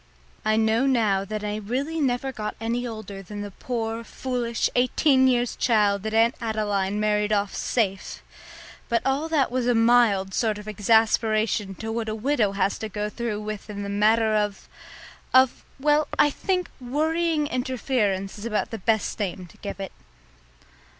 I know now that I really never got any older than the poor, foolish, eighteen years child that Aunt Adeline married off "safe." But all that was a mild sort of exasperation to what a widow has to go through with in the matter of of, well, I think worrying interference is about the best name to give it.